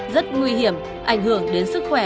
rất nguy hiểm ảnh hưởng đến sức khỏe